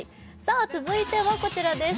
続いてはこちらです。